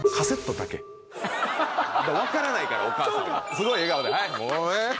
すごい笑顔で。